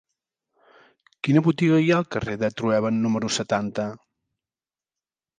Quina botiga hi ha al carrer de Trueba número setanta?